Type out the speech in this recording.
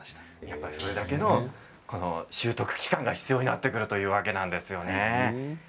やっぱりそれだけの習得期間が必要になってくるというわけなんですよね。